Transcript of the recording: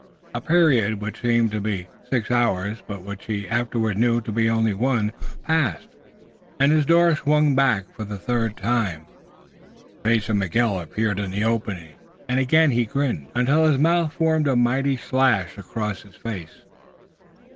A period which seemed to be six hours but which he afterward knew to be only one, passed, and his door swung back for the third time. The face of Miguel appeared in the opening and again he grinned, until his mouth formed a mighty slash across his face.